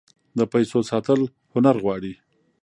د پیسو ساتل هنر غواړي.